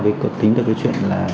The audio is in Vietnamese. mới cực tính được cái chuyện là